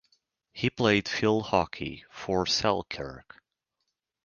He played field hockey for Selkirk.